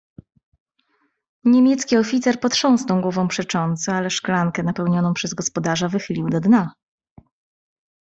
"Niemiecki oficer potrząsnął głową przecząco ale szklankę napełnioną przez gospodarza wychylił do dna."